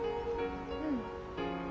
うん。